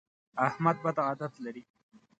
احمد بد عادت لري.